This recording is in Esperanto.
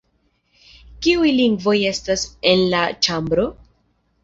Kiuj lingvoj estas en la ĉambro?